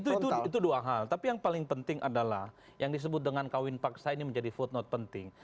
nah itu dua hal tapi yang paling penting adalah yang disebut dengan kawin paksa ini menjadi footnote penting